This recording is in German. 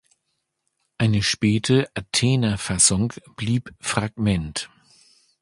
Eine späte „Athener Fassung“ blieb Fragment.